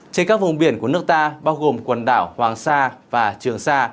trên các vùng biển của nước ta bao gồm quần đảo hoàng sa và trường sa